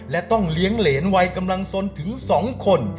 และต้องเลี้ยงเหรนวัยกำลังสนถึง๒คน